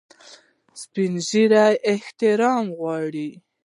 سپین ږیری احترام غواړي